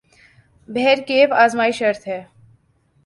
بہرکیف آزمائش شرط ہے ۔